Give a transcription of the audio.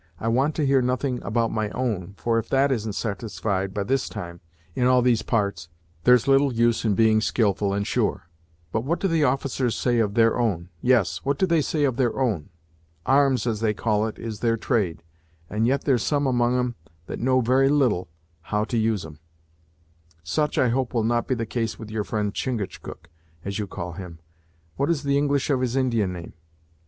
I want to hear nothing about my own, for if that isn't sartified to by this time, in all these parts, there's little use in being skilful and sure; but what do the officers say of their own yes, what do they say of their own? Arms, as they call it, is their trade, and yet there's some among 'em that know very little how to use 'em!" "Such I hope will not be the case with your friend Chingachgook, as you call him what is the English of his Indian name?"